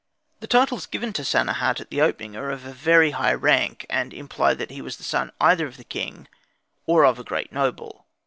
The titles given to Sanehat at the opening are of a very high rank, and imply that he was the son either of the king or of a great noble.